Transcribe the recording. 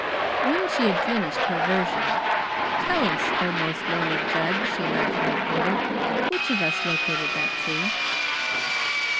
When she had finished her version, "Tell us, 'oh, most learned judge!'" she laughingly quoted, "which of us located that tree?"